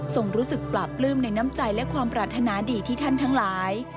รู้สึกปราบปลื้มในน้ำใจและความปรารถนาดีที่ท่านทั้งหลาย